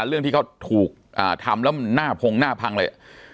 เรื่องที่เขาถูกทำแล้วมันหน้าพงหน้าพังเลย